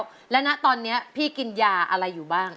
อเรนนี่ส์แล้วนะตอนนี้พี่กินยาอะไรอยู่บ้าง